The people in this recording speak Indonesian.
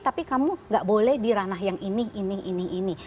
tapi kamu gak boleh di ranah yang ini ini ini ini